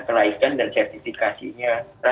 kelaikan dan sertifikasinya